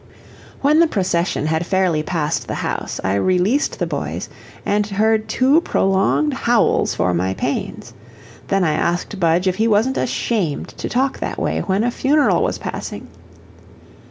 When the procession had fairly passed the house I released the boys and heard two prolonged howls for my pains. Then I asked Budge if he wasn't ashamed to talk that way when a funeral was passing.